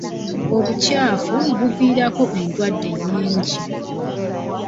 Obukyafu buviirako endwadde nnyingi.